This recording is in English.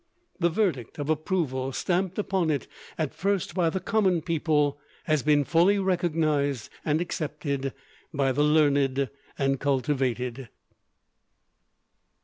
The verdict of approval stamped upon it at first by the common people, has been fully recognized and accepted by the learned and cultivated.